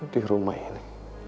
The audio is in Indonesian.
di rumah ini